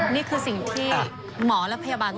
นี่คือสิ่งที่หมอและพยาบาล